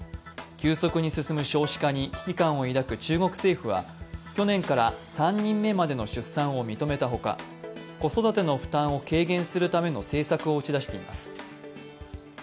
急速に進む少子化に危機感を抱く中国政府は去年から３人目までの出産を認めたほか、子育ての負担を軽減するための政策を打ち出しています。